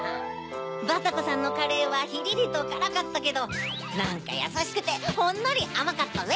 バタコさんのカレーはひりりとからかったけどなんかやさしくてほんのりあまかったぜ。